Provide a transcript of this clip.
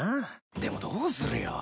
でもどうするよ？